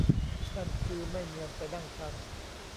นั่นคือไม่เนียนไปนั่งชั้น